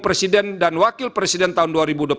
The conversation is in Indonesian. presiden dan wakil presiden tahun dua ribu dua puluh empat